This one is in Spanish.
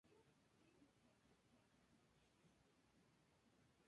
Barcelona, se trata de Lorenzo Rico.